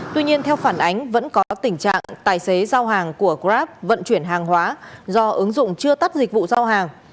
tuy nhiên theo phản ánh vẫn có tình trạng tài xế giao hàng của grab vận chuyển hàng hóa do ứng dụng chưa tắt dịch vụ giao hàng